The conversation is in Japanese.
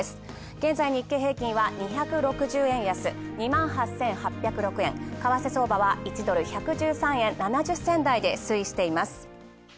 現在、日経平均は２６０円安、２万８８０６円、為替相場は１ドル＝１１３円７０銭台で推移しています。